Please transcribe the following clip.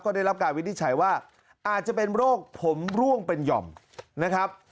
ได้รับการวินิจฉัยว่าอาจจะเป็นโรคผมร่วงเป็นหย่อมนะครับ